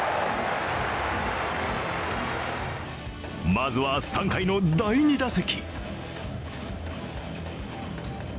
まずは、３回の第２打席。